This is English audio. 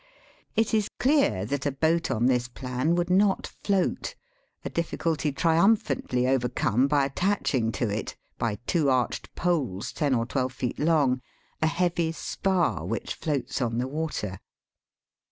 It is clear that a boat on this plan would not float, a difficulty triumphantly over come by attaching to it, by two arched poles ten or twelve feet long, a heavy spar, which floats on the water.